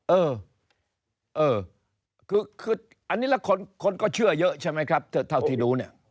เออเออคืออันนี้แล้วคนก็เชื่อเยอะใช่ไหมครับเท่าที่ดูเนี่ย